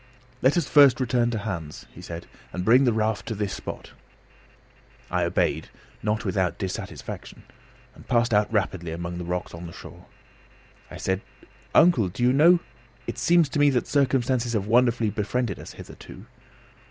"Let us first return to Hans," he said, "and bring the raft to this spot." I obeyed, not without dissatisfaction, and passed out rapidly among the rocks on the shore. I said: "Uncle, do you know it seems to me that circumstances have wonderfully befriended us hitherto?"